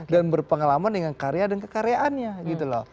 dan berpengalaman dengan karya dan kekaryanya